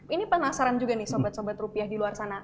ini penasaran juga nih sobat sobat rupiah di luar sana